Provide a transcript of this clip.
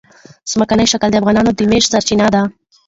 ځمکنی شکل د افغانانو د معیشت سرچینه ده.